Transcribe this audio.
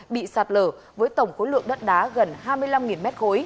bị sạt lở với tổng khối lượng đất đá gần hai mươi năm m ba